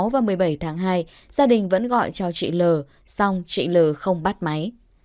và một mươi bảy tháng hai gia đình vẫn gọi cho chị l xong chị l không bắt máy